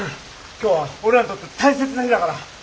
今日は俺らにとって大切な日だから。